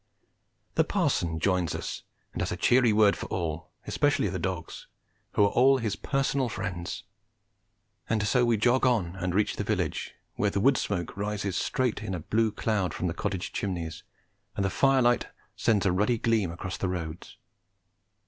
The parson joins us and has a cheery word for all, especially the dogs, who are all his personal friends; and so we jog on and reach the village, where the wood smoke rises straight in a blue cloud from the cottage chimneys, and the fire light sends a ruddy gleam across the roads.